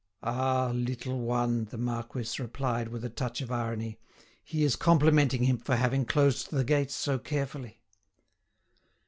"Ah! little one," the marquis replied with a touch of irony, "he is complimenting him for having closed the gates so carefully."